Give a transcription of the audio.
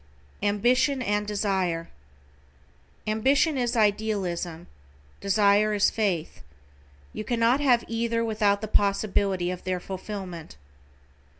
=AMBITION AND DESIRE:= Ambition is idealism. Desire is faith. You cannot have either without the possibility of their fulfillment.